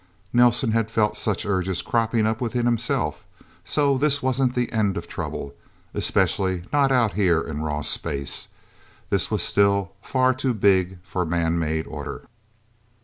Nelsen had felt such urges cropping up within himself. So this wasn't the end of trouble especially not out here in raw space, that was still far too big for man made order.